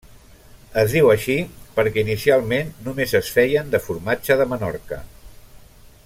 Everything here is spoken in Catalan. Es diu així perquè inicialment només es feien de formatge de Menorca.